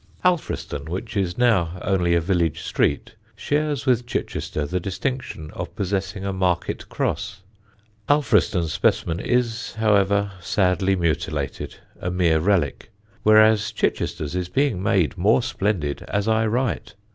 Alfriston, which is now only a village street, shares with Chichester the distinction of possessing a market cross. Alfriston's specimen is, however, sadly mutilated, a mere relic, whereas Chichester's is being made more splendid as I write.